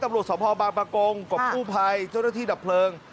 ตำรวจสภบางประกงกับกู้ภัยเจ้าหน้าที่ดับเพลิง